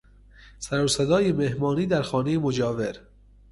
سر و صدای مهمانی در خانهی مجاور